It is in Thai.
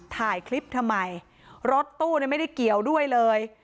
ถ่ายคลิปทำไมรถตู้ไม่ได้เกี่ยวด้วยเลย